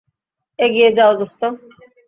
এগিয়ে যাও দোস্ত।